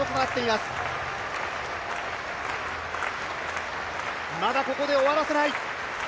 まだここで終わらせない。